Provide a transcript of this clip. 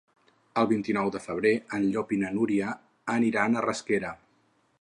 El vint-i-nou de febrer en Llop i na Núria aniran a Rasquera.